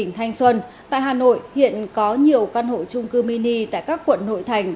tỉnh thanh xuân tại hà nội hiện có nhiều căn hộ trung cư mini tại các quận nội thành